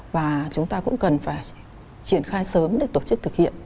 và chúng ta cũng cần phải triển khai sớm để tổ chức thực hiện